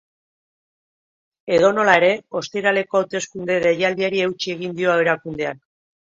Edonola ere, ostiraleko hauteskunde deialdiari eutsi egin dio erakundeak.